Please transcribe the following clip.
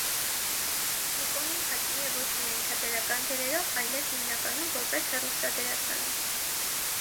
Միկոնին հայտնի է ոչ միայն թատերական դերերով, այլև, հիմնականում, որպես հեռուստադերասանուհի։